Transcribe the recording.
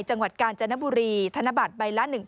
จังหวัดกาญจนบุรี